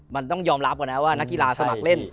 มันต้องยอมรับก่อนนะว่านักกีฬาสมัครเล่น